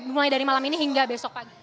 mulai dari malam ini hingga besok pagi